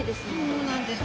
そうなんです。